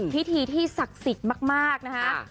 พิธีที่ศักดิ์สิทธิ์มากนะคะ